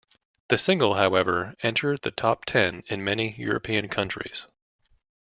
The single, however, entered the top ten in many European countries.